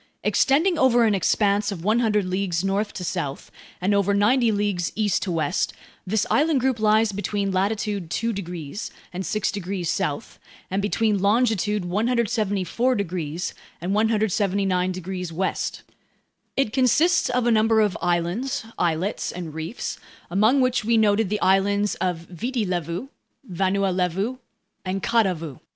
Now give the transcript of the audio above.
Extending over an expanse of 100 leagues north to south, and over 90 leagues east to west, this island group lies between latitude 2 degrees and 6 degrees south, and between longitude 174 degrees and 179 degrees west. It consists of a number of islands, islets, and reefs, among which we noted the islands of Viti Levu, Vanua Levu, and Kadavu.